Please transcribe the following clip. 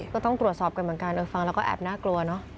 ก็ต้องตรวจสอบกันเหมือนกันฟังแล้วก็แอบน่ากลัวเนอะ